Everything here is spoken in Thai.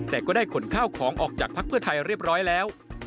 แต่ก็ได้ขนข้าวของออกจากพักเพื่อไทยเรียบร้อยแล้ว